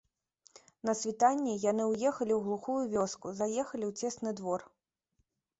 На світанні яны ўехалі ў глухую вёску, заехалі ў цесны двор.